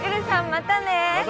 またね。